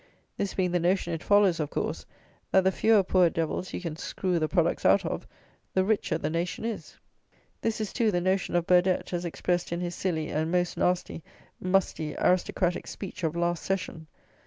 This being the notion, it follows, of course, that the fewer poor devils you can screw the products out of, the richer the nation is. This is, too, the notion of Burdett as expressed in his silly and most nasty, musty aristocratic speech of last session.